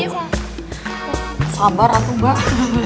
sabar aku mbak